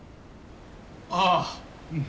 あぁうん。